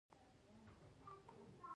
ایا زه به وکولی شم منډه کړم؟